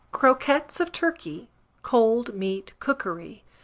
CROQUETTES OF TURKEY (Cold Meat Cookery).